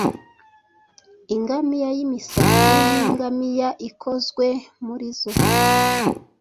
Ingamiya yimisatsi yingamiya ikozwe murizo